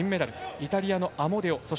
イタリアのアモデオ。